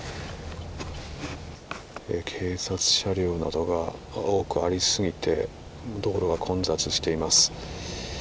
警察車両などが多くありすぎて道路が混雑しています。